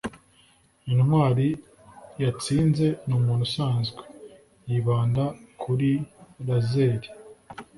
“intwali yatsinze ni umuntu usanzwe, yibanda kuri lazeri.”